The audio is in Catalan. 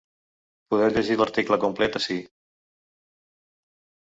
Podeu llegir l’article complet a ací.